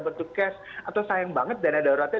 bentuk cash atau sayang banget dana daruratnya